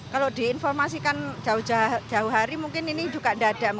kalau diinformasikan jauh jauh hari mungkin ini juga tidak ada